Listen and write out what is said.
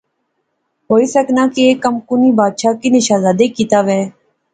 ہوئی سکنا کہ ایہہ کم کُنی بادشاہ، کنی شہزادے کیتیا وہے